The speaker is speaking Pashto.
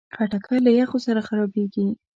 خټکی له یخو سره خرابېږي.